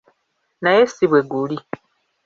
Naye si bwe guli.